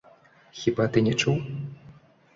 Хіба ты не чуў?